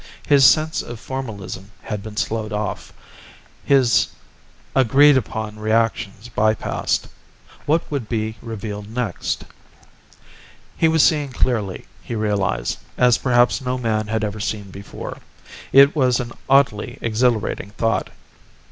His sense of formalism had been sloughed off, his agreed upon reactions bypassed. What would be revealed next? He was seeing clearly, he realized, as perhaps no man had ever seen before. It was an oddly exhilarating thought.